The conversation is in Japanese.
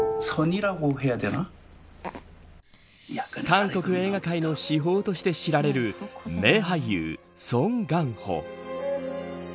韓国映画界の至宝として知られる名俳優、ソン・ガンホ。